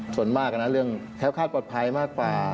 ส่วนมากนะเรื่องแค้วคาดปลอดภัยมากกว่า